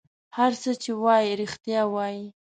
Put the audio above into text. هر څه چې وایي رېښتیا وایي.